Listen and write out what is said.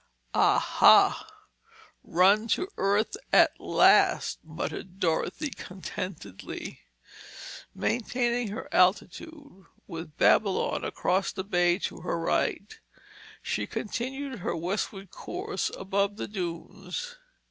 "Aha! Run to earth at last!" muttered Dorothy contentedly. Maintaining her altitude, with Babylon across the bay to her right, she continued her westward course above the dunes.